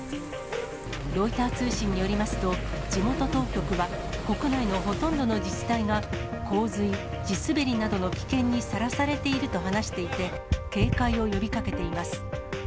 ロイター通信によりますと、地元当局は、国内のほとんどの自治体が洪水、地滑りなどの危険にさらされていると話していて、警戒を呼びかけています。